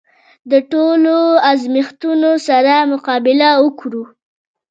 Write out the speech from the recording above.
د ټولو ازمېښتونو سره مقابله وکړو.